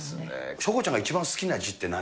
翔子ちゃんが一番好きな字って何？